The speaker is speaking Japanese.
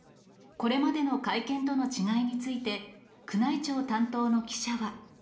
これまでの会見との違いについて、宮内庁担当の記者は。